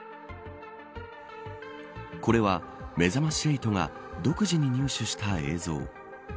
これは、めざまし８が独自に入手した映像。